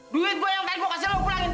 duit gua yang kaya gua kasih lu pulangin